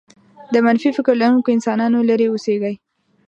د منفي فكر لرونکو انسانانو لرې اوسېږئ.